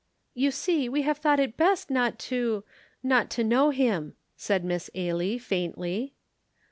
"You see we have thought it best not to not to know him," said Miss Ailie, faintly.